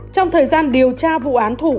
trong thời gian điều tra vụ án thủ